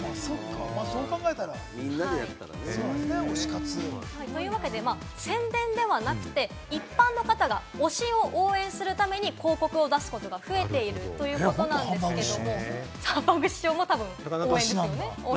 みんなでやったらね。というわけで、宣伝ではなくて、一般の方が推しを応援するために広告を出すことが増えているということなんですけれども、サカナクションもそうですよね。